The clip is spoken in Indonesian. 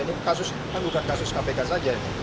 ini kasus kan bukan kasus kpk saja